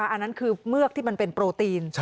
อันนั้นคือเมือกที่มันเป็นโปรตีน